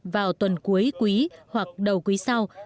vào tuần cuối quý hoặc đầu quý sau